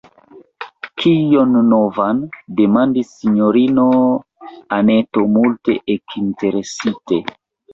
« Kion novan? » demandis sinjorino Anneto multe ekinteresite.